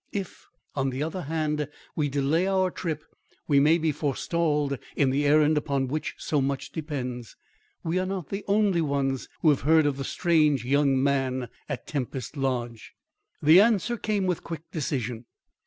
If, on the other hand, we delay our trip, we may be forestalled in the errand upon which so much depends. We are not the only ones who have heard of the strange young man at Tempest Lodge." The answer came with quick decision.